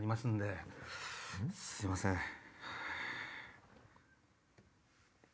すいません。